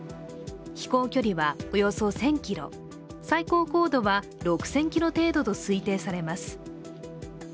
飛行距離はおよそ１０００ｋｍ、最高高度は６０００ｋｍ程度と推定されます。